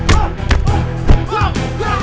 dari mana kau kejar